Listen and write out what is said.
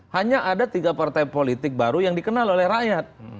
hanya ada tiga partai politik baru yang dikenal oleh rakyat